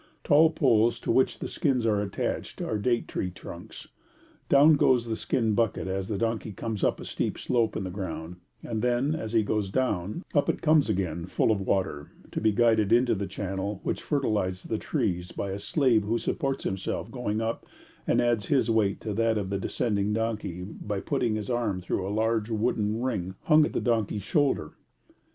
The tall poles, to which the skins are attached, are date tree trunks. Down goes the skin bucket as the donkey comes up a steep slope in the ground, and then, as he goes down, up it comes again full of water, to be guided into the channel, which fertilises the trees, by a slave, who supports himself going up, and adds his weight to that of the descending donkey, by putting his arm through a large wooden ring hung at the donkey's shoulder.